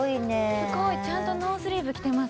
すごいちゃんとノースリーブ着てます。